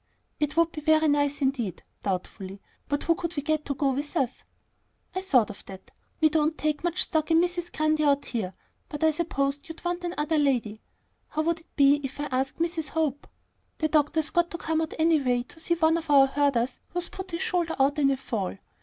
"It would be very nice indeed," doubtfully; "but who could we get to go with us?" "I thought of that. We don't take much stock in Mrs. Grundy out here; but I supposed you'd want another lady. How would it be if I asked Mrs. Hope? The doctor's got to come out anyway to see one of our herders who's put his shoulder out in a fall.